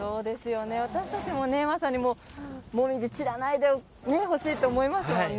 私たちもまさにモミジ散らないでほしいと思いますもんね